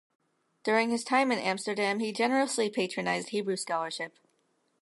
During his time in Amsterdam he generously patronised Hebrew scholarship.